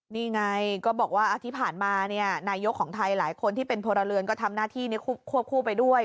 นี่ไงก็บอกว่าที่ผ่านมานายกของไทยหลายคนที่เป็นพลเรือนก็ทำหน้าที่นี้ควบคู่ไปด้วย